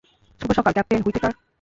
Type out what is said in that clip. শুভ সকাল, captain Whitaker.